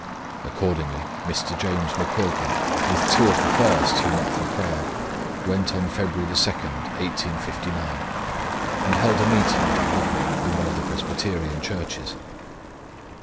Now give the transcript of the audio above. Accordingly Mr. James McQuilkin, with two of the first who met for prayer, went on February 2, 1859, and held a meeting at Ahoghill in one of the Presbyterian Churches.